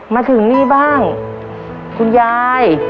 มาถึงนี่บ้างคุณยาย